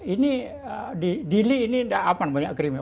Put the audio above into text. ini di dili ini nggak aman banyak krimis